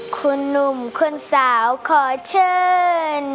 คุณหนุ่มคนสาวขอเชิญ